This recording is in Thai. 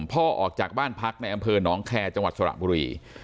ออกจากบ้านพักในอำเภอหนองแคร์จังหวัดสระบุรี